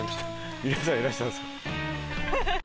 皆さんいらしたんすか。